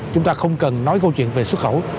chúng ta không cần nói câu chuyện về xuất khẩu